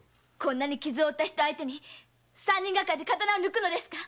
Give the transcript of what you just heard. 傷を負うた人相手に三人がかりで刀を抜くのですか。